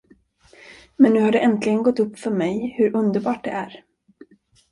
Men nu har det äntligen gått upp för mig hur underbart det är.